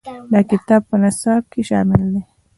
دا کتاب په نصاب کې شامل شوی دی.